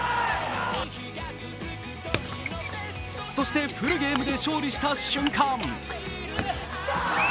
そして、フルゲームで勝利した瞬間